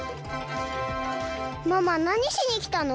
ママなにしにきたの？